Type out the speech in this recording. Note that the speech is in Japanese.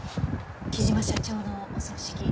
貴島社長のお葬式。